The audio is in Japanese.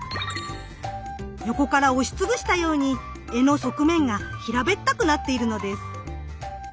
横から押し潰したように柄の側面が平べったくなっているのです。